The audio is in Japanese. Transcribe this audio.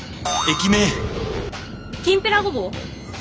きんぴらごぼう。